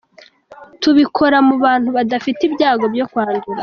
Tubikora mu bantu badafite ibyago byo kwandura.